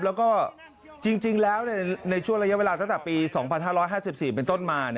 แล้วก็จริงแล้วในช่วงระยะเวลาตั้งแต่ปี๒๕๕๔เป็นต้นมา